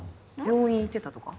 病院行ってたとか？